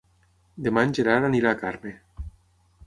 Demà en Gerard anirà a Carme.